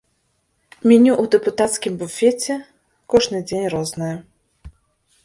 Меню ў дэпутацкім буфеце кожны дзень рознае.